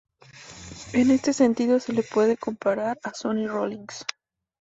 En este sentido se le puede comparar a Sonny Rollins.